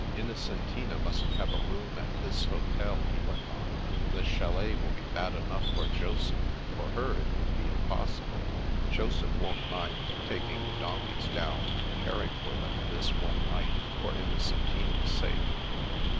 " Innocentina must have a room at this hotel," he went on. " The chalet will be bad enough for Joseph. For her it would be impossible. Joseph won't mind taking the donkeys down and caring for them this one night, for Innocentina's sake."